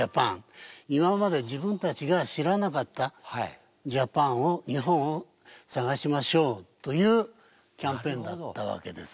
今まで自分たちが知らなかったジャパンを日本をさがしましょうというキャンペーンだったわけです。